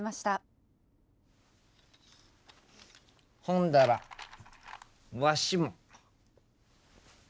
ほんだらわしも。